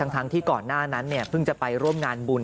ทั้งที่ก่อนหน้านั้นเพิ่งจะไปร่วมงานบุญ